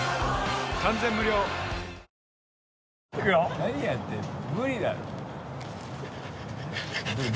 何やってるの？